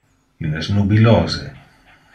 Il es nubilose.